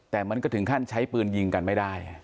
แต่มันก็ถึงขั้นใช้ปืนยิงกันไม่ได้